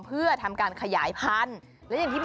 เพื่อทำการขยายพันธุ์